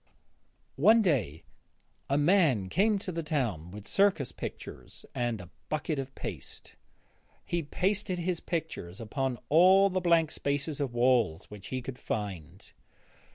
One day a man came to the town with circus pictures and a bucket of paste. He pasted his pictures upon all the blank spaces of walls which he could find.